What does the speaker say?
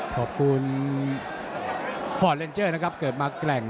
ขอบคุณฟอร์เลนเจอร์นะครับเกิดมาแกร่ง